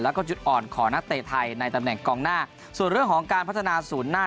แล้วก็จุดอ่อนของนักเตะไทยในตำแหน่งกองหน้าส่วนเรื่องของการพัฒนาศูนย์หน้า